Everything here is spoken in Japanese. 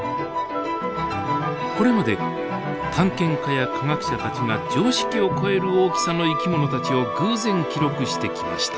これまで探検家や科学者たちが常識を超える大きさの生き物たちを偶然記録してきました。